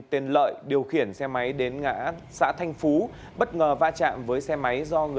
tên lợi điều khiển xe máy đến ngã xã thanh phú bất ngờ va chạm với xe máy